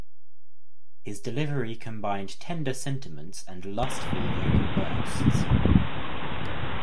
His delivery combined tender sentiments and lustful vocal bursts.